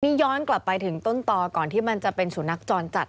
นี่ย้อนกลับไปถึงต้นต่อก่อนที่มันจะเป็นสุนัขจรจัด